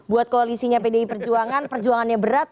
buat koalisinya pdi perjuangan perjuangannya berat